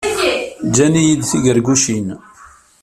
Gan-iyi-d tigargucin.